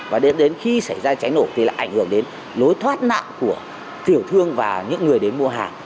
và đến khi xảy ra cháy nổ thì lại ảnh hưởng đến lối thoát nạn của tiểu thương và những người đến mua hàng